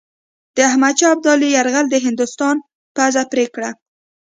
د احمدشاه ابدالي یرغل د هندوستان پزه پرې کړه.